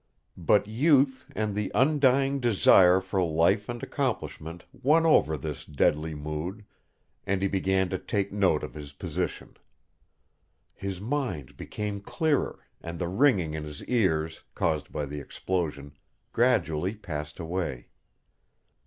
But youth and the undying desire for life and accomplishment won over this deadly mood and he began to take note of his position. His mind became clearer and the ringing in his ears, caused by the explosion, gradually passed away.